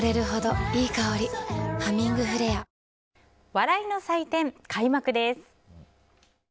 笑いの祭典、開幕です。